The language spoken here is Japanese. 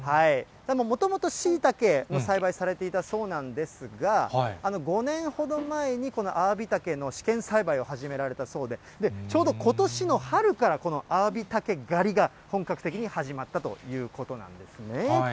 もともとシイタケの栽培されていたそうなんですが、５年ほど前にこのアワビタケの試験栽培を始められたそうで、ちょうどことしの春から、このアワビタケ狩りが本格的に始まったということなんですね。